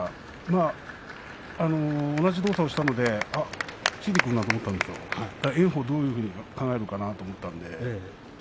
同じ動作をしたのであ、突いてくるなと思ったんですが、炎鵬がどういうふうに考えるのかなと思ったのでそ